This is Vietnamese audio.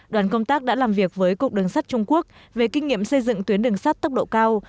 đoàn công tác đã làm việc với cục đường sắt trung quốc về kinh nghiệm xây dựng tuyến đường sắt tốc độ cao